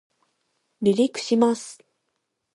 離陸します